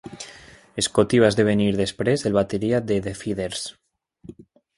Scotti va esdevenir després el bateria de The Feederz.